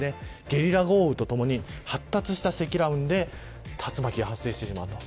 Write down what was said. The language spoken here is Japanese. ゲリラ豪雨とともに発達した積乱雲で竜巻が発生してしまう。